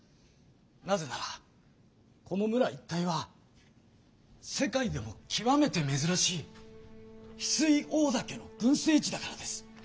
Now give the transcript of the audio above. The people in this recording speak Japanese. なぜならこの村一帯は世界でもきわめてめずらしいヒスイオオダケの群生地だからです。